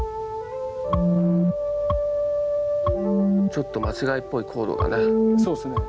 ちょっと間違いっぽいコードがね。